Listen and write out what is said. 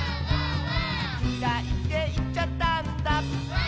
「きらいっていっちゃったんだ」